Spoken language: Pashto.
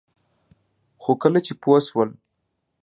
خو کله چې پوه شول